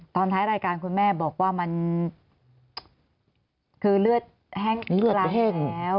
ท้ายรายการคุณแม่บอกว่ามันคือเลือดแห้งเวลาแห้งแล้ว